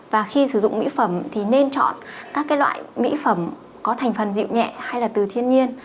và khi sử dụng mỹ phẩm thì nên chọn các loại mỹ phẩm có thành phần dịu nhẹ hay là từ thiên nhiên